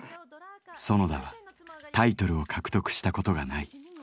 園田はタイトルを獲得したことがない。